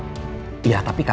nanti jangan sekarang